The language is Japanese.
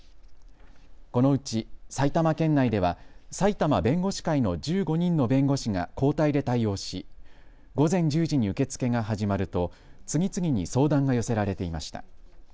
このうち埼玉県内では埼玉弁護士会の１５人の弁護士が交代で対応し午前１０時に受け付けが始まると次々に相談が寄せられていました。